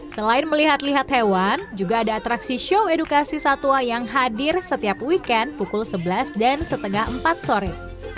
selain melihat lihat hewan juga ada atraksi show edukasi satwa yang hadir setiap weekend pukul sebelas dan setengah empat sore